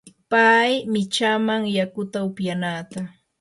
pay michaaman yakuta upyanaata.